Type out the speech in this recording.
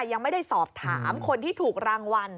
ยังไม่ได้สอบถามคนที่ถูกรางวัล